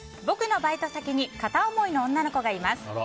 僕のバイト先に片思いの女の子がいます。